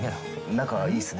仲いいっすね。